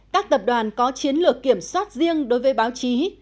các tập đoàn có chiến lược kiểm soát riêng đối với báo chí